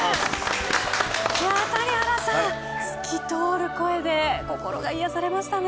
透き通る声で心が癒やされましたね。